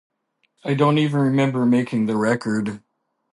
I don't even remember making the record.